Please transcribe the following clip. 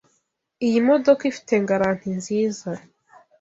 Iyi modoka ifite garanti nziza.